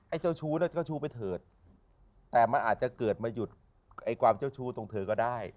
เจ้าชู้ด้วยเจ้าชู้ไปเถิดแต่มันอาจจะเกิดมาหยุดไอ้ความเจ้าชู้ตรงเธอก็ได้